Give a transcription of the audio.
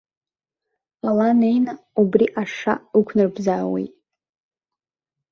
Ала неины, убри ашша ықәнарбзаауеит.